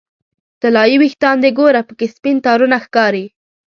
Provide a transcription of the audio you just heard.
طلایې ویښان دې ګوره پکې سپین تارونه ښکاري